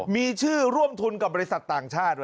มีชื่อร่วมทุนกับบริษัทต่างชาติ